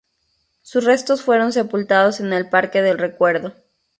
Sus restos fueron sepultados en el Parque del Recuerdo.